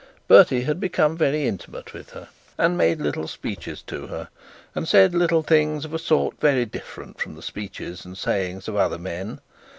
Bertie had become very intimate with her, and made little speeches to her, and said little things of sort very different from the speeches and sayings of other men.